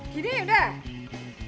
gini ya udah